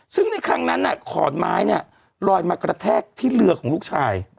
ซึ่งในครั้งนั้นขอนไม้เนี่ยลอยมากระแทกที่เรือของลูกชาย